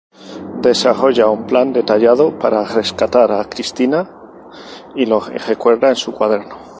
Desarrolla un plan detallado para rescatar a Christina y lo recuerda en un cuaderno.